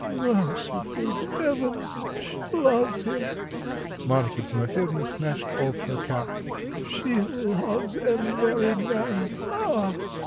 "Merciful Heavens! She loves him!" Marfa Timofyevna snatched off her cap. "She loves a married man! Ah!